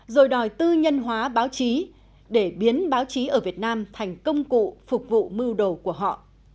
rồi đòi tư nhân hóa báo chí để biến báo chí ở việt nam thành công cụ phục vụ mưu đồ của họ